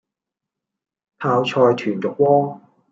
泡菜豚肉鍋